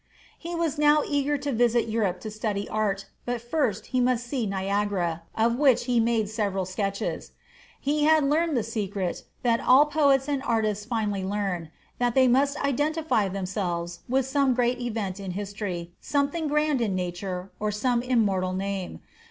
He was now eager to visit Europe to study art; but first he must see Niagara, of which he made several sketches. He had learned the secret, that all poets and artists finally learn, that they must identify themselves with some great event in history, something grand in nature, or some immortal name.